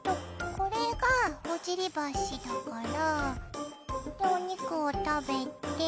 これがほじりばしだからでお肉を食べて。